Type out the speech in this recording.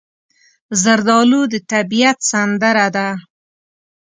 زردالو د طبیعت سندره ده.